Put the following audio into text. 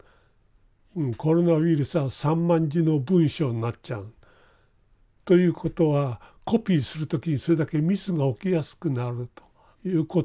コロナウイルスは３０，０００万字の文章になっちゃう。ということはコピーする時にそれだけミスが起きやすくなるということですね。